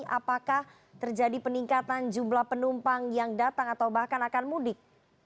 apakah terjadi peningkatan jumlah penumpang yang datang atau bahkan akan mudik